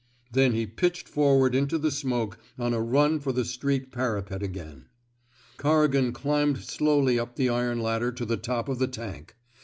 Then he pitched forward into the smoke on a run for the street parapet again. Corrigan climbed slowly up the iron ladder to the top of the tank.